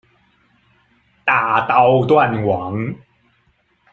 大刀斷網！